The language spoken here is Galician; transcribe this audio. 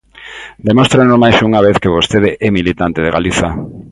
Demóstrenos máis unha vez que vostede é militante de Galiza.